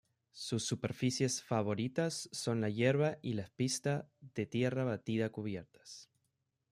Sus superficies favoritas son la hierba y las pista de tierra batida cubiertas.